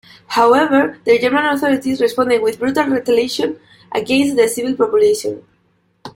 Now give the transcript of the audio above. However, the German authorities responded with brutal retaliation against the civil population.